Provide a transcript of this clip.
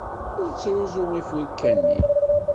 Ur ttruẓu ifurka-nni.